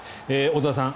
小澤さん